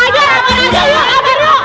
tuh buktinya dia diem aja